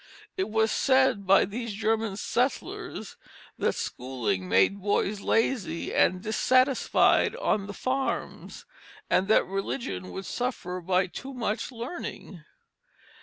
It was said by these German settlers that schooling made boys lazy and dissatisfied on the farms, and that religion would suffer by too much learning.